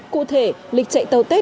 cụ thể lịch chạy tẩu tết